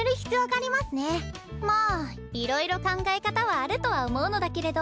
まあいろいろ考え方はあるとは思うのだけれど。